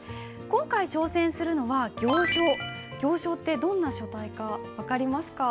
今回挑戦するのは行書ってどんな書体か分かりますか？